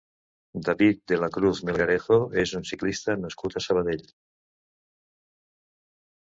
David de la Cruz Melgarejo és un ciclista nascut a Sabadell.